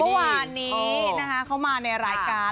เมื่อวานนี้นะคะเขามาในรายการ